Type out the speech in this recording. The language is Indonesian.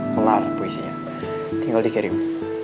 kelar puisinya tinggal di kerium